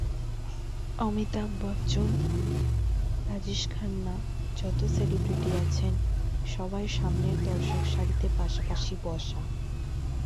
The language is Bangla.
অমিতাভ বচ্চন, রাজেশ খান্না-যত সেলিব্রিটি আছেন, সবাই সামনের দর্শকসারিতে পাশাপাশি বসা।